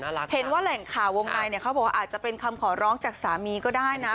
เห็นว่าแหล่งข่าววงในเนี่ยเขาบอกว่าอาจจะเป็นคำขอร้องจากสามีก็ได้นะ